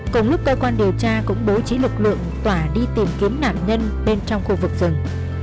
cùng lúc cơ quan điều tra cũng bố trí lực lượng tỏa đi tìm kiếm nạn nhân bên trong khu vực rừng